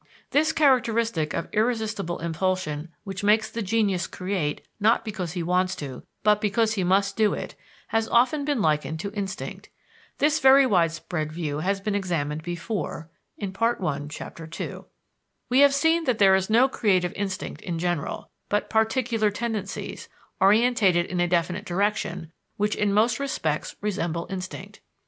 This characteristic of irresistible impulsion which makes the genius create not because he wants to, but because he must do it, has often been likened to instinct. This very widespread view has been examined before (Part I, Chapter ii). We have seen that there is no creative instinct in general, but particular tendencies, orientated in a definite direction, which in most respects resemble instinct.